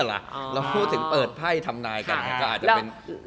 เราพูดถึงเปิดไพ่ทำนายกันก็อาจจะเป็น